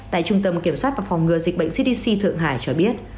tại trung tâm kiểm soát và phòng ngừa dịch bệnh cdc thượng hải cho biết